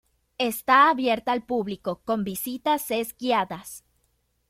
Está abierta al público con visitas es guiadas.